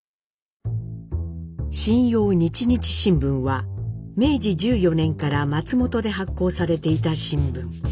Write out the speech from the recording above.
「信陽日々新聞」は明治１４年から松本で発行されていた新聞。